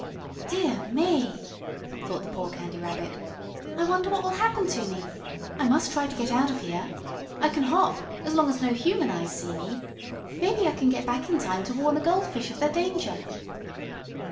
"Dear me!" thought the poor Candy Rabbit, "I wonder what will happen to me. I must try to get out of here. I can hop, as long as no human eyes see me. Maybe I can get back in time to warn the goldfish of their danger."